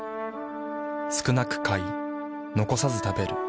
少なく買い残さず食べる。